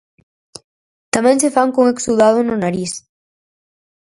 Tamén se fan cun exudado no nariz.